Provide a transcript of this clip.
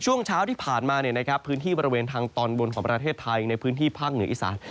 ช่วงเช้าที่ผ่านมาพื้นที่บริเวณทางตอนบนของประเทศไทยในพื้นที่ภาคเหนืออีสาน